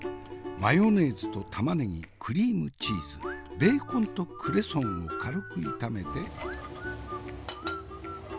マヨネーズと玉ねぎクリームチーズベーコンとクレソンを軽く炒めて。